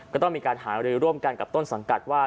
ก็ต้องมีการหารือร่วมกันกับต้นสังกัดว่า